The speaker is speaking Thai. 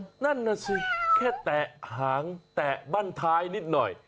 แมวแมวอย่างนั้นแสดงแค่แตะหางแตะบั้นท้ายนิดหน่อย